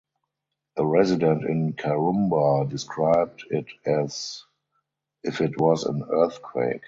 A resident in Karumba described it as if it was an earthquake.